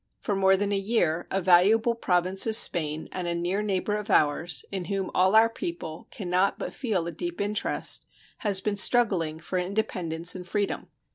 For more than a year a valuable province of Spain, and a near neighbor of ours, in whom all our people can not but feel a deep interest, has been struggling for independence and freedom.